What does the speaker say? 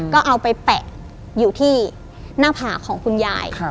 ก็เอาไปแปะอยู่ที่หน้าผากของคุณยาย